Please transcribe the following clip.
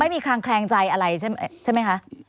มีความแคลงใจอะไรใช่ไหมคะ